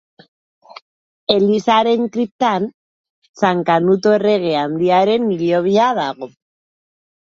Elizaren kriptan San Kanuto errege handiaren hilobia dago.